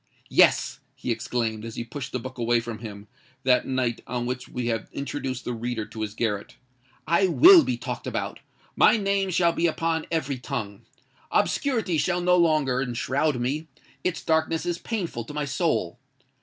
"Yes!" he exclaimed, as he pushed the book away from him, that night on which we have introduced the reader to his garret: "I will be talked about—my name shall be upon every tongue! Obscurity shall no longer enshroud me: its darkness is painful to my soul.